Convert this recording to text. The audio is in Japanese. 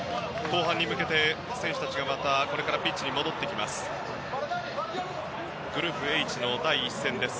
後半に向けて選手たちがこれからまたピッチに戻ってきます。